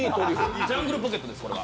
ジャングルポケットです、これ。